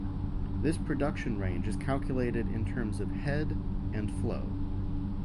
This production range is calculated in terms of "head" and "flow".